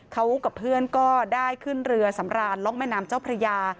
เขากับเพื่อนก็ได้ขึ้นเรือสำรานล่องแม่น้ำเจ้าพระยา